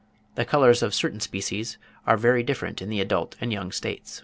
The colours of certain species are very different in the adult and young states.